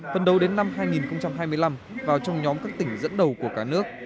phân đấu đến năm hai nghìn hai mươi năm vào trong nhóm các tỉnh dẫn đầu của cả nước